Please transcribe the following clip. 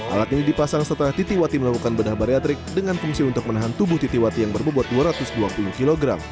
alat ini dipasang setelah titi wati melakukan bedah bareatrik dengan fungsi untuk menahan tubuh titi wati yang berbobot dua ratus dua puluh kg